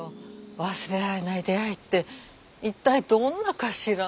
忘れられない出会いって一体どんなかしら？